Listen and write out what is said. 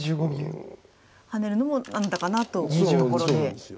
ハネるのも何だかなというところで。